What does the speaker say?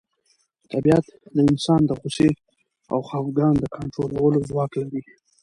طبیعت د انسان د غوسې او خپګان د کنټرولولو ځواک لري.